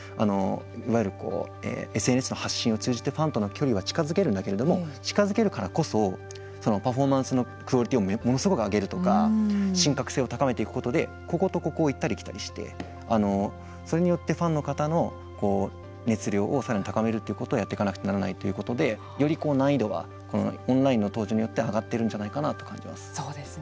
いわゆるＳＮＳの発信を通じてファンとの距離は近づけるんだけれども近づけるからこそそのパフォーマンスのクオリティーをものすごく上げるとか神格性を高めていくことでこことここを行ったり来たりしてそれによってファンの方の熱量をさらに高めるということをやっていかなくてはならないということでより難易度がこのオンラインによって上がっているんじゃないかなと思います。